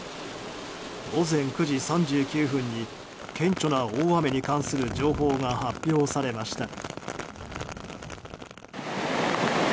午前９時３９分に顕著な大雨に関する情報が発表されました。